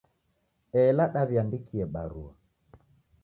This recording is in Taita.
Ela diwiandikie barua